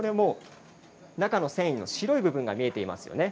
中の繊維の白い部分が見えていますよね。